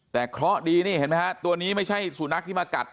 แต่เคราะห์ดีนี่เห็นไหมฮะตัวนี้ไม่ใช่สุนัขที่มากัด